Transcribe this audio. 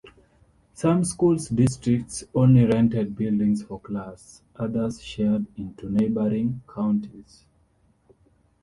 Some school districts only rented buildings for class; others shared into neighboring counties.